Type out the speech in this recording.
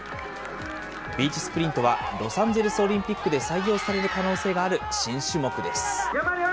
ビーチスプリントは、ロサンゼルスオリンピックで採用される可能性がある新種目です。